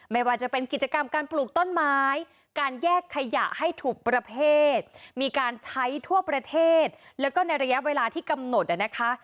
ไม่ว่าจะเป็นกิจกรรมการปลูกต้นไม้การแยกขยะให้ถูกประเภทมีการใช้ทั่วประเทศแล้วก็ในระยะเวลาที่กำหนดนะคะ